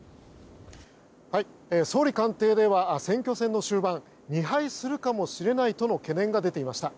総理官邸では選挙戦の終盤２敗するかもしれないとの懸念が出ていました。